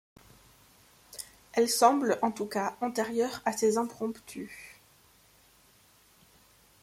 Elles semblent, en tout cas, antérieures à ses impromptus.